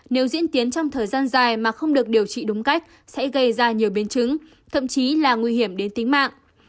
nếu diễn tiến trong thời gian dài mà không được điều trị đúng cách sẽ gây ra nhiều biến chứng thậm chí là nguy hiểm đến tính mạng